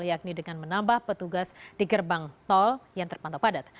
yakni dengan menambah petugas di gerbang tol yang terpantau padat